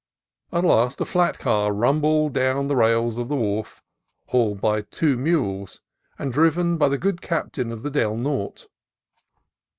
At last a flat car rumbled down the rails of the wharf, hauled by two mules, and driven by the good captain of the Del Norte.